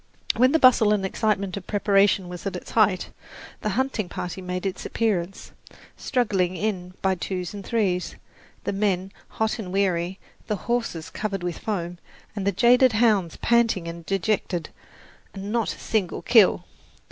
When the bustle and excitement of preparation was at its height, the hunting party made its appearance, struggling in by twos and threes, the men hot and weary, the horses covered with foam, and the jaded hounds panting and dejected and not a single kill!